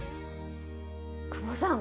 久保さん